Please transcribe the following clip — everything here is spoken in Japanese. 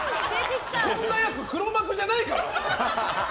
こんなやつ黒幕じゃないから。